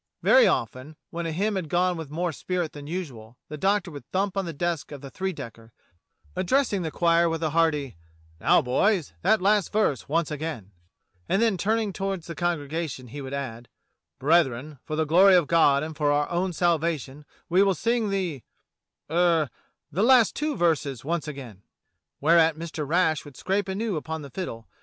Very often when a hymn had gone with more spirit than usual the Doctor would thump on the desk of the three decker, addressing the choir with a hearty, "Now, boys, that last verse once again," and then, turning to the congregation, he would add: "Brethren, for the glory of God and for our own salvation we will sing the — er — the last two verses once again.'* Whereat Mr. Rash would scrape anew upon the fiddle.